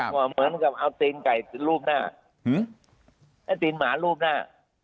เหมือนกับเอาตีนไก่รูปหน้าไอ้ตีนหมารูปหน้า